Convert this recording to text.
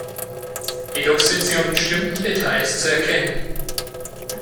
Jedoch sind sie an bestimmten Details zu erkennen.